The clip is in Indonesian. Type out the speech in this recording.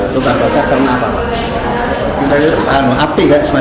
luka bakar karena apa